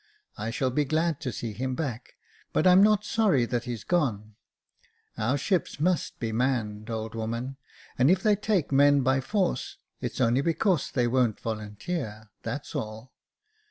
I shall be glad to see him back ; but I'm not sorry that he's gone. Our ships must be manned, old woman ; and if they take men by force, it's only because they won't volunteer — that's all.